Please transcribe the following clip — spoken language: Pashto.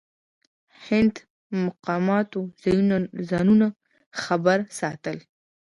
هند مقاماتو ځانونه خبر ساتل.